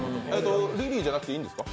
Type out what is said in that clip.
リリーじゃなくていいんですか？